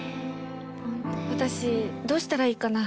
私どうしたらいいかな？